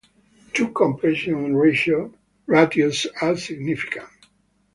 Two compression ratios are significant.